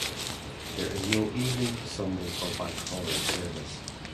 There is no evening, Sunday or bank holiday service.